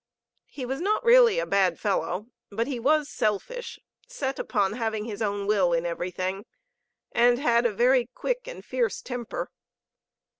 He was not a really bad fellow, but he was selfish, set upon having his own will in everything, and had a very quick and fierce temper.